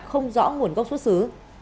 không rõ nguồn gốc xuất xứ